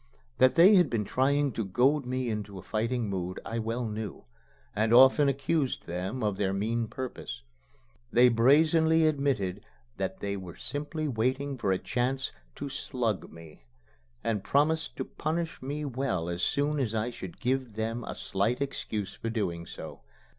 That they had been trying to goad me into a fighting mood I well knew, and often accused them of their mean purpose. They brazenly admitted that they were simply waiting for a chance to "slug" me, and promised to punish me well as soon as I should give them a slight excuse for doing so.